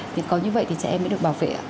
thì có như vậy thì trẻ em mới được bảo vệ ạ